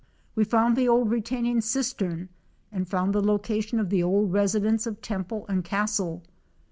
We found the old retaining cistern and found the location of the old residence of Temple and Castle.